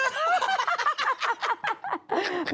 แม่